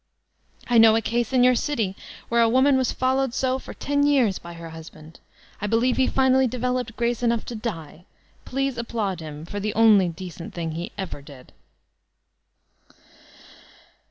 I know a case in your city where a woman was followed so for ten years by her husband. I believe he finally developed grace enough to die ; please applaud him for the only decent thing he ever did.